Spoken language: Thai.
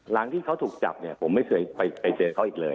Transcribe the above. หลังที่เค้าถูกจับเนี่ยผมไม่เจอเค้าอีกเลย